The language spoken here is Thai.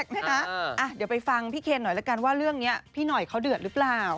เดี๋ยวไปฟังพี่เคนหน่อยละกันว่าเรื่องนี้พี่หน่อยเขาเดือดหรือเปล่า